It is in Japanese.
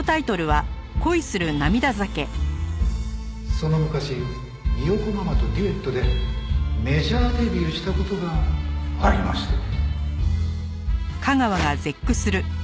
「その昔三代子ママとデュエットでメジャーデビューした事がありましてね」